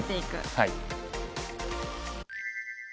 はい。